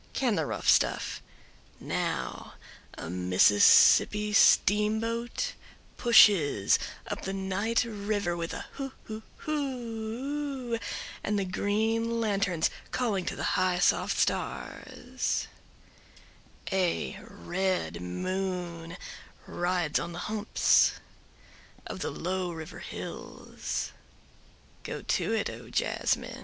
Can the rough stuff … now a Mississippi steamboat pushes up the night river with a hoo hoo hoo oo … and the green lanterns calling to the high soft stars … a red moon rides on the humps of the low river hills … go to it, O jazzmen.